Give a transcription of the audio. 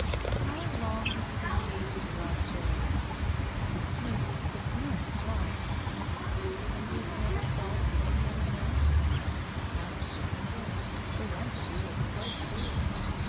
"How long have you been engaged to Robb Chillingwood?" "Nearly six months. Why?" "And you've never thought of any other man?" Alice shook her head. For once she was quite serious.